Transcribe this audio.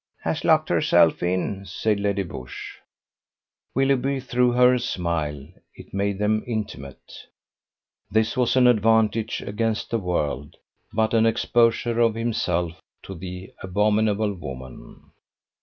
"Has locked herself in," said Lady Busshe. Willoughby threw her a smile. It made them intimate. This was an advantage against the world, but an exposure of himself to the abominable woman.